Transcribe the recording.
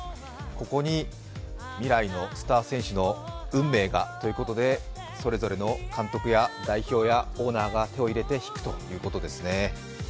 ここに未来のスター選手の運命がということで、それぞれの監督や代表やオーナーが手を入れて引くということですね。